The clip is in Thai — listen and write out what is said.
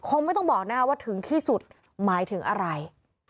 คงไม่ต้องบอกนะคะว่าถึงที่สุดหมายถึงอะไร